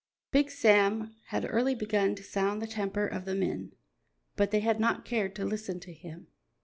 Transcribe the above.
Big Sam had early begun to sound the temper of the men, but they had not cared to listen to him.